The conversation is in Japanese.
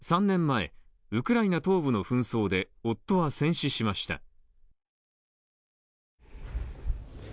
３年前、ウクライナ東部の紛争で夫は戦死しました。